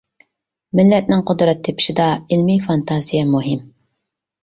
مىللەتنىڭ قۇدرەت تېپىشىدا ئىلمىي فانتازىيە مۇھىم.